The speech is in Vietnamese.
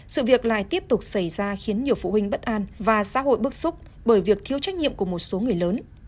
sự việc lại tiếp tục xảy ra khiến nhiều phụ huynh bất an và xã hội bức xúc bởi việc thiếu trách nhiệm của một số người lớn